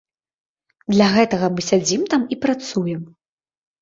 Для гэтага мы сядзім там і працуем.